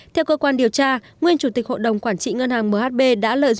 theo cơ quan điều tra nguyên chủ tịch hội đồng quản trị ngân hàng mhb đã lợi dụng